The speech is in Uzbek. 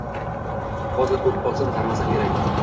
Hozir koʻrib qolsam, tanimasam kerak.